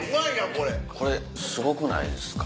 これすごくないですか？